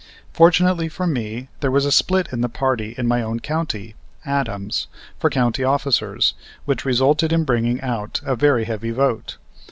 Fortunately for me there was a split in the party in my own county (Adams) for county officers, which resulted in bringing out a very heavy vote.